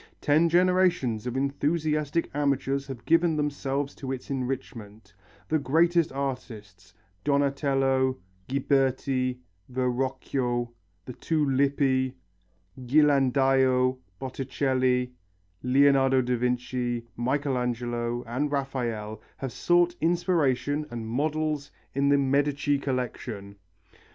Ten generations of enthusiastic amateurs have given themselves to its enrichment; the greatest artists, Donatello, Ghiberti, Verrocchio, the two Lippi, Ghirlandaio, Botticelli, Leonardo da Vinci, Michelangelo and Raphael have sought inspiration and models in the Medici collection.